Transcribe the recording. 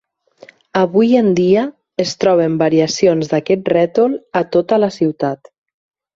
Avui en dia es troben variacions d'aquest rètol a tota la ciutat.